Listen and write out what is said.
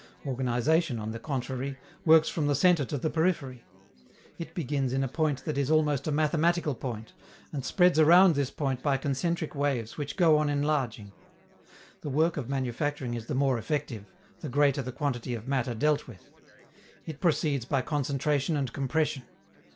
Organization, on the contrary, works from the centre to the periphery. It begins in a point that is almost a mathematical point, and spreads around this point by concentric waves which go on enlarging. The work of manufacturing is the more effective, the greater the quantity of matter dealt with. It proceeds by concentration and compression.